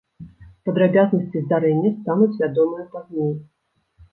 Падрабязнасці здарэння стануць вядомыя пазней.